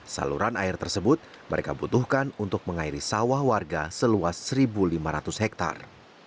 saluran air tersebut mereka butuhkan untuk mengairi sawah warga seluas satu lima ratus hektare